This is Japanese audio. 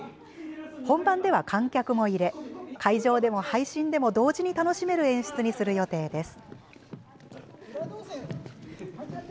本番では観客も入れ会場でも配信でも同時に楽しめる演出にする予定です。